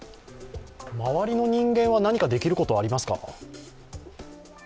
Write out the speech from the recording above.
周りの人間は何かできることはありますか？